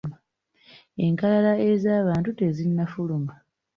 Enkalala ez’abantu tezinnafuluma.